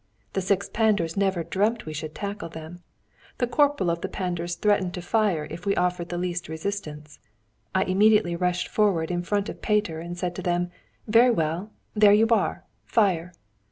The six pandurs never dreamt we should tackle them. The corporal of the pandurs threatened to fire if we offered the least resistance. I immediately rushed forward in front of Peter, and said to them, 'Very well! there you are! Fire!'